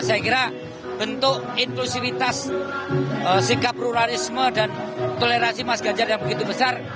saya kira bentuk inklusivitas sikap pluralisme dan toleransi mas ganjar yang begitu besar